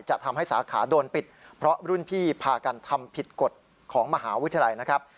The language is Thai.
จะทำให้สาขาโดนปิดเพราะรุ่นพี่พากันทำผิดกฎของมหาวิทยาลัยนะครับ